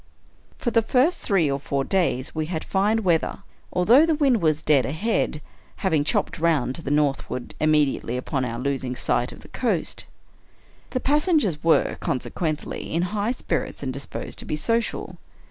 For the first three or four days we had fine weather, "5 American Mystery Stories although the wind was dead ahead; having chopped round to the northward, immediately upon our losing sight of the coast. The passengers were, consequently, in high spirits and disposed to be social.